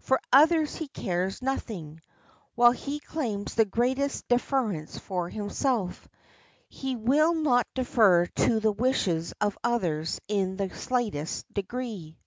For others he cares nothing. While he claims the greatest deference for himself, he will not defer to the wishes of others in the slightest degree.